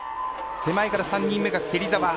手前から３人目が芹澤。